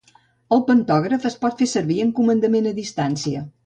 El pantògraf es pot fer servir amb comandament a distància.